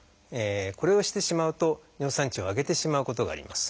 これをしてしまうと尿酸値を上げてしまうことがあります。